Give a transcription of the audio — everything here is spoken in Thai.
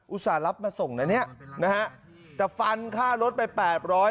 ส่าห์รับมาส่งนะเนี่ยนะฮะแต่ฟันค่ารถไปแปดร้อย